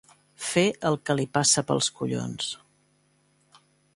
Fer el que li passa pels collons.